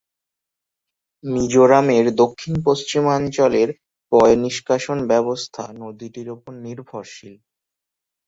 মিজোরামের দক্ষিণ-পশ্চিমাঞ্চলের পয়ঃনিষ্কাশন ব্যবস্থা নদীটির উপর নির্ভরশীল।